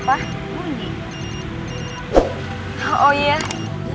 gatau gak kedengeran bos